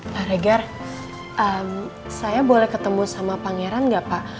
pak regar saya boleh ketemu sama pangeran nggak pak